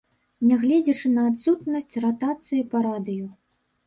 Нягледзячы на адсутнасць ратацыі па радыё.